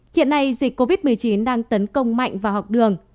hiện nay dịch covid một mươi chín đang tấn công mạnh vào học đường